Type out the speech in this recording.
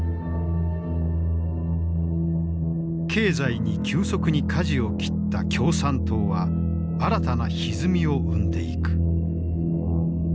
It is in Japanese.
経済に急速にかじを切った共産党は新たなひずみを生んでいく。